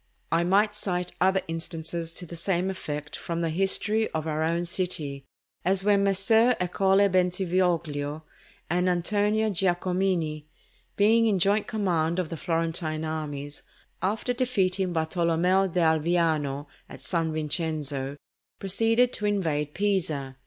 I might cite other instances to the same effect from the history of our own city, as when Messer Ercole Bentivoglio and Antonio Giacomini, being in joint command of the Florentine armies, after defeating Bartolommeo d'Alviano at San Vincenzo, proceeded to invest Pisa.